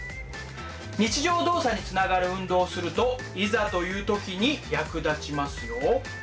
日常動作につながる運動をするといざという時に役立ちますよ。